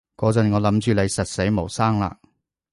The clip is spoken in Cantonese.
嗰陣我諗住你實死冇生喇